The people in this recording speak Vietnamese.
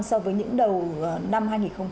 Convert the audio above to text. so với những đầu năm hai nghìn một mươi tám